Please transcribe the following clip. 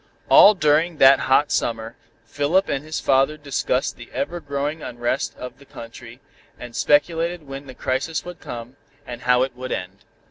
All during that hot summer, Philip and his father discussed the ever growing unrest of the country, and speculated when the crisis would come, and how it would end.